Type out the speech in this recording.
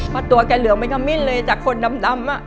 เพราะตัวแกเหลืองไม่ขมิ้นเลยจากคนดำ